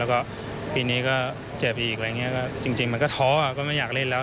แล้วก็ปีนี้ก็เจ็บอีกอะไรอย่างนี้ก็จริงมันก็ท้อก็ไม่อยากเล่นแล้ว